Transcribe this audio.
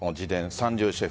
「三流シェフ」